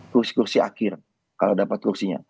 kursi kursi akhir kalau dapat kursinya